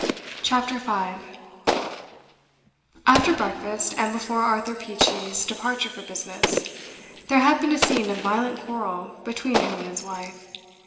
CHAPTER 5 After breakfast, and before Arthur Peachey's departure for business, there had been a scene of violent quarrel between him and his wife.